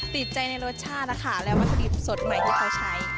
ติดใจในรสชาติและวัสดีสดใหม่ที่เขาใช้